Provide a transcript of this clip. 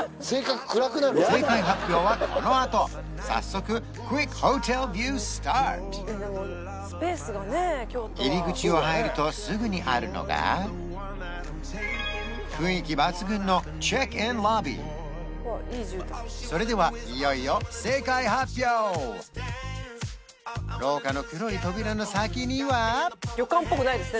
正解発表はこのあと早速入り口を入るとすぐにあるのが雰囲気抜群のそれではいよいよ廊下の黒い扉の先には旅館っぽくないですね